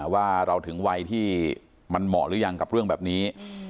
ว่าเราถึงวัยที่มันเหมาะหรือยังกับเรื่องแบบนี้